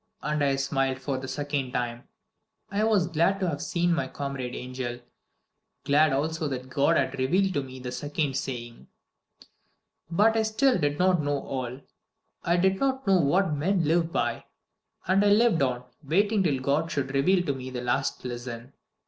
And I smiled for the second time. I was glad to have seen my comrade angel glad also that God had revealed to me the second saying. "But I still did not know all. I did not know What men live by. And I lived on, waiting till God should reveal to me the last lesson.